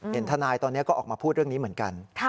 ทนายตอนนี้ก็ออกมาพูดเรื่องนี้เหมือนกัน